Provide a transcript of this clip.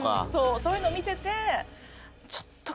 そういうのを見てて。